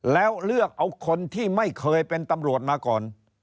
แล้วเลือกเอาคนที่ไม่เคยเป็นตำรวจมาก่อน